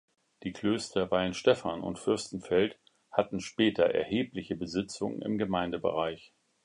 Die Klöster Weihenstephan und Fürstenfeld hatten später erhebliche Besitzungen im Gemeindebereich.